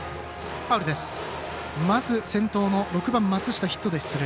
まず先頭の６番松下ヒットで出塁。